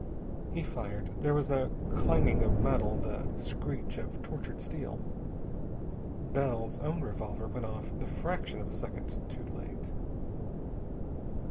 He fired. There was a clanging of metal, the screech of tortured steel. Bell's own revolver went off the fraction of a second too late.